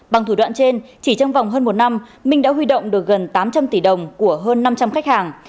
bằng thủ đoạn trên chỉ trong vòng hơn một năm minh đã huy động được gần tám trăm linh tỷ đồng của hơn năm trăm linh khách hàng